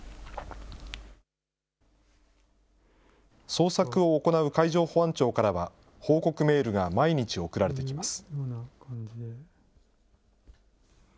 捜索を行う海上保安庁からは、報告メールが毎日送られてきます。